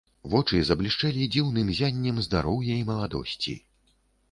Вочы заблішчэлі дзіўным ззяннем здароўя і маладосці.